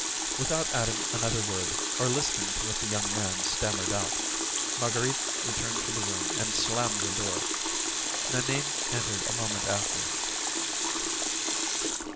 Without adding another word, or listening to what the young man stammered out, Marguerite returned to the room and slammed the door. Nanine entered a moment after.